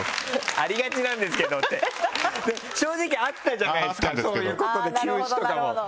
「ありがちなんですけど」って正直あったじゃないですかそういうことで休止とかも。